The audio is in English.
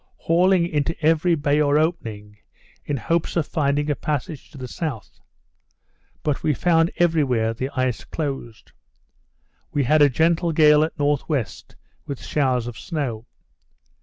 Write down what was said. hauling into every bay or opening, in hopes of finding a passage to the south. But we found every where the ice closed. We had a gentle gale at N.W. with showers of snow.